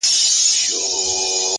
• بوه لور ورته ناروغه سوه او مړه سوه ,